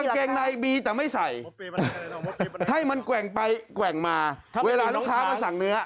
เกงในมีแต่ไม่ใส่ให้มันแกว่งไปแกว่งมาเวลาลูกค้ามาสั่งเนื้อ